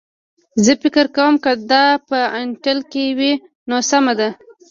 زه فکر کوم که دا په انټیل کې وي نو سمه ده